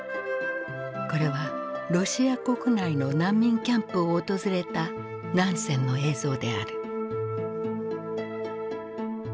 これはロシア国内の難民キャンプを訪れたナンセンの映像である。